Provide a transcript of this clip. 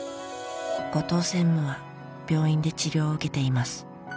「後藤専務は病院で治療を受けています」